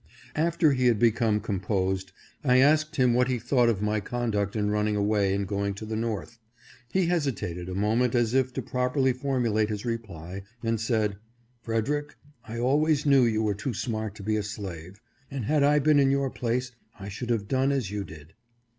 After he had become composed I asked him what he thought of my conduct in running away and going to the north. He hesitated a moment as if to properly formulate his reply, and said :" Frederick, I always knew you were too smart to be a slave, and had I been in your place, I should have done as you did."